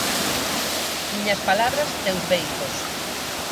Miñas palabras, teus beizos.